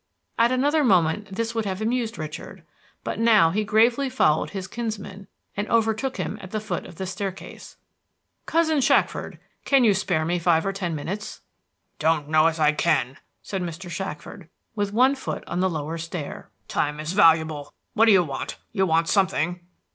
At another moment this would have amused Richard, but now he gravely followed his kinsman, and overtook him at the foot of the staircase. "Cousin Shackford, can you spare me five or ten minutes?" "Don't know as I can," said Mr. Shackford, with one foot on the lower stair. "Time is valuable. What do you want? You want something."